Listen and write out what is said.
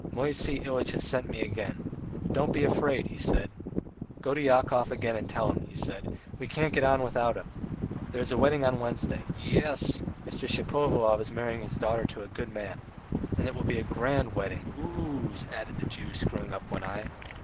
"Moisey Ilyitch has sent me again. 'Don't be afraid,' he said; 'go to Yakov again and tell him,' he said, 'we can't get on without him.' There is a wedding on Wednesday. ... Ye es! Mr. Shapovalov is marrying his daughter to a good man. ... And it will be a grand wedding, oo oo!" added the Jew, screwing up one eye.